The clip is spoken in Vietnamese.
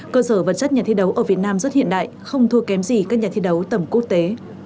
cơ sở vật chất nhà thi đấu ở việt nam rất hiện đại không thua kém gì các nhà thi đấu tầm quốc tế